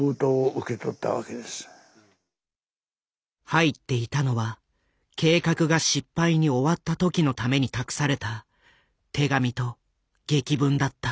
入っていたのは計画が失敗に終わった時のために託された手紙と檄文だった。